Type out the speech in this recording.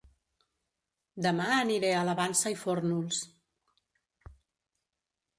Dema aniré a La Vansa i Fórnols